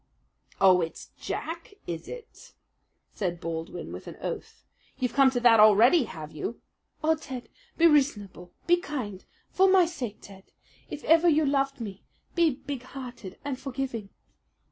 "Oh, it's Jack, is it?" said Baldwin with an oath. "You've come to that already, have you?" "Oh, Ted, be reasonable be kind! For my sake, Ted, if ever you loved me, be big hearted and forgiving!"